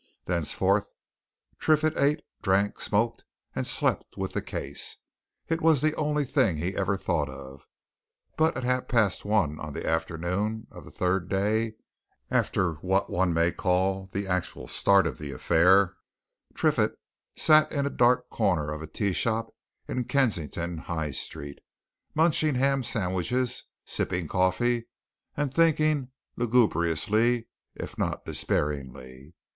Thenceforth Triffitt ate, drank, smoked, and slept with the case; it was the only thing he ever thought of. But at half past one on the afternoon of the third day after what one may call the actual start of the affair, Triffitt sat in a dark corner of a tea shop in Kensington High Street, munching ham sandwiches, sipping coffee, and thinking lugubriously, if not despairingly.